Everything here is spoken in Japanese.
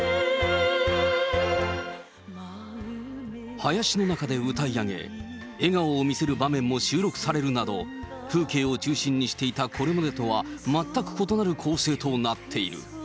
林の中で歌い上げ、笑顔を見せる場面も収録されるなど、風景を中心にしていたこれまでとは全く異なる構成となっている。